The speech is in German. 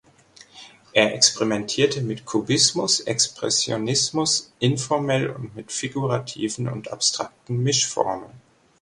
Er experimentierte mit Kubismus, Expressionismus, Informel und mit figurativen und abstrakten Mischformen.